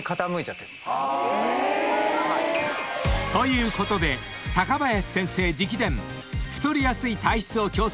［ということで高林先生直伝］